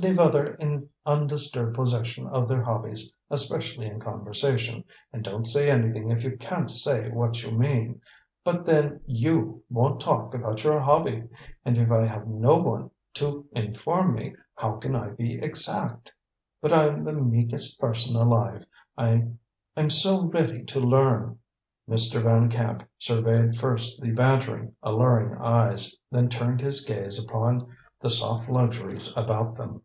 "Leave other people in undisturbed possession of their hobbies, especially in conversation, and don't say anything if you can't say what you mean. But then, you won't talk about your hobby; and if I have no one to inform me, how can I be exact? But I'm the meekest person alive; I'm so ready to learn." Mr. Van Camp surveyed first the bantering, alluring eyes, then turned his gaze upon the soft luxuries about them.